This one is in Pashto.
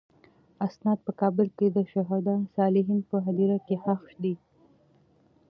استاد په کابل کې د شهدا صالحین په هدیره کې خښ دی.